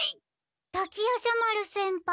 滝夜叉丸先輩